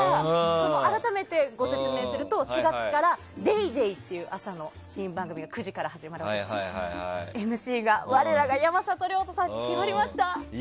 改めてご説明すると４月から「ＤａｙＤａｙ．」っていう朝の新番組が９時から始まるんですがＭＣが我らが山里亮太さんに決まりました。